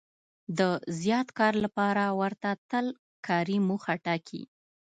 د زیات کار لپاره ورته تل کاري موخه ټاکي.